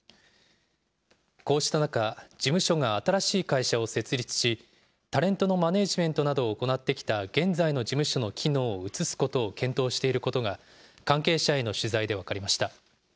こうした中、事務所が新しい会社を設立し、タレントのマネージメントなどを行ってきた現在の事務所の機能を移すことを検討していることが、関係者への取材で分かりました。